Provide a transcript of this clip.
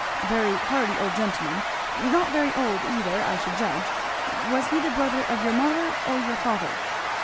A very hearty old gentleman. Not very old either, I should judge. Was he the brother of your mother or your father?"